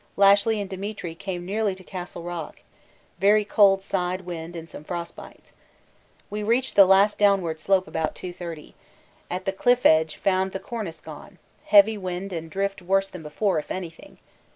Lashly and Demetri came nearly to Castle Rock very cold side wind and some frostbites. We reached the last downward slope about 2.30; at the cliff edge found the cornice gone heavy wind and drift worse than before, if anything.